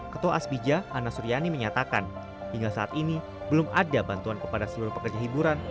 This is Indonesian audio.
ketua asbija ana suryani menyatakan hingga saat ini belum ada bantuan kepada seluruh pekerja hiburan